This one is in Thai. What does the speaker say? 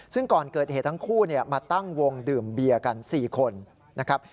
ซึ่งก่อนเกิดเหตุทั้งคู่มาตั้งวงดื่มเบียร์กัน๔คนนะครับ